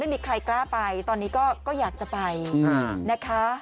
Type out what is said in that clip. ไม่มีใครกล้าไปตอนนี้ก็อยากจะไปนะคะ